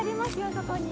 そこに。